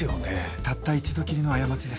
たった一度きりの過ちです。